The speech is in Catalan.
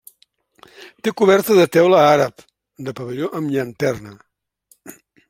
Té coberta de teula àrab, de pavelló amb llanterna.